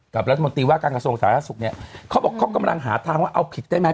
รัฐมนตรีว่าการกระทรวงสาธารณสุขเนี่ยเขาบอกเขากำลังหาทางว่าเอาผิดได้ไหม